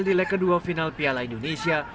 di leg kedua final piala indonesia